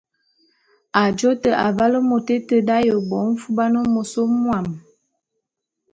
Ajô te, avale môt éte d’aye bo mfuban môs mwuam.